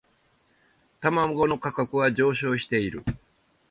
卵の価格は上昇している